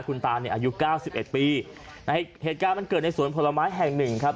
คุณตาเนี่ยอายุ๙๑ปีเหตุการณ์มันเกิดในสวนผลไม้แห่งหนึ่งครับ